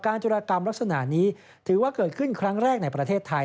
จุรกรรมลักษณะนี้ถือว่าเกิดขึ้นครั้งแรกในประเทศไทย